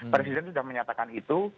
presiden sudah menyatakan itu